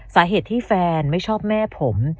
สาเหตุที่แฟนไม่ชอบแม่ผม